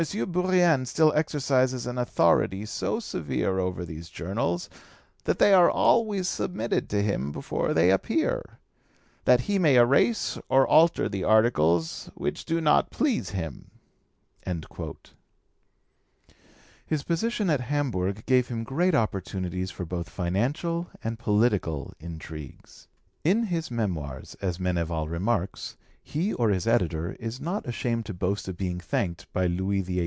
Bourrienne still exercises an authority so severe over these journals that they are always submitted to him before they appear, that he may erase or alter the articles which do not please him." His position at Hamburg gave him great opportunities for both financial and political intrigues. In his Memoirs, as Meneval remarks, he or his editor is not ashamed to boast of being thanked by Louis XVIII.